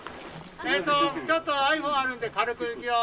・ちょっとｉＰｈｏｎｅあるんで軽くいくよ。